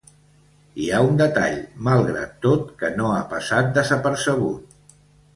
Hi ha un detall, malgrat tot, que no ha passat desapercebut.